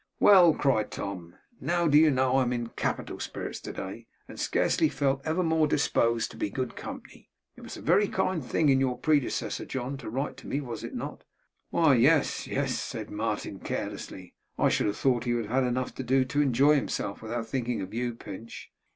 'Well,' cried Tom, 'now do you know I am in capital spirits today, and scarcely ever felt more disposed to be good company. It was a very kind thing in your predecessor, John, to write to me, was it not?' 'Why, yes,' said Martin carelessly; 'I should have thought he would have had enough to do to enjoy himself, without thinking of you, Pinch.